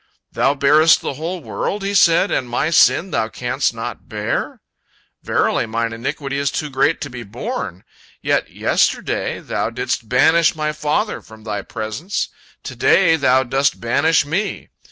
"Thou bearest the whole world," he said, "and my sin Thou canst not bear? Verily, mine iniquity is too great to be borne! Yet, yesterday Thou didst banish my father from Thy presence, to day Thou dost banish me.